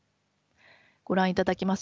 ご覧いただきます